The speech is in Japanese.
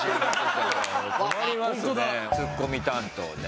ツッコミ担当で。